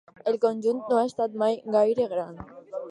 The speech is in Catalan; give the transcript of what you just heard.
El conjunt no ha estat mai gaire gran.